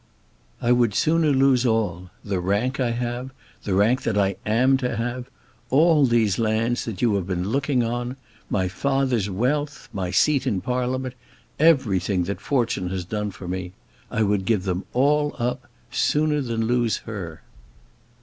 "I would sooner lose all; the rank I have; the rank that I am to have; all these lands that you have been looking on; my father's wealth, my seat in Parliament, everything that fortune has done for me, I would give them all up, sooner than lose her."